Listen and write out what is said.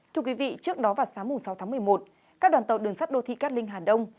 thưa quý vị trước đó vào sáng sáu tháng một mươi một các đoàn tàu đường sắt đô thị cát linh hà đông